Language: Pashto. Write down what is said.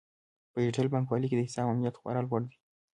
په ډیجیټل بانکوالۍ کې د حساب امنیت خورا لوړ وي.